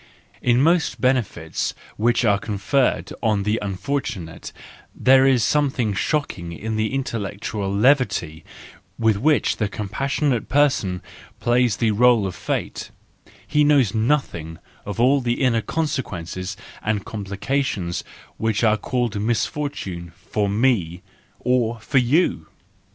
In 266 THE JOYFUL WISDOM, IV most benefits which are conferred on the unfor¬ tunate there is something shocking in the intellec¬ tual levity with which the compassionate person plays the r 61 e of fate: he knows nothing of all the inner consequences and complications which are called misfortune for me or for you